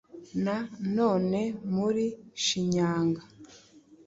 na none muri Shinyanga